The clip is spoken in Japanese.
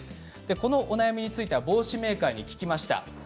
このお悩みについては帽子メーカーに聞きました。